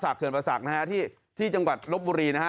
เคือนปาศักดิ์ที่จังหวัดลบบุรีนะฮะ